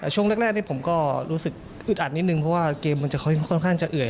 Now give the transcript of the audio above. ช่วงแรกนี้ผมก็รู้สึกอึดอัดนิดนึงเพราะว่าเกมมันจะค่อนข้างจะเอื่อย